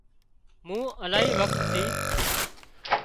مون الاهي وکت ٿِي